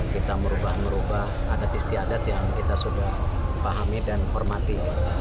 kita merubah merubah adat istiadat yang kita sudah pahami dan hormati